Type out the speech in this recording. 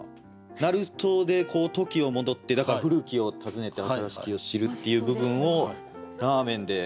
なるとでこう時を戻ってだから「故きを温ねて新しきを知る」っていう部分をラーメンで。